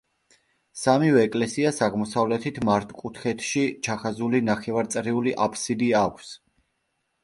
სამივე ეკლესიას აღმოსავლეთით მართკუთხედში ჩახაზული ნახევარწრიული აფსიდი აქვს.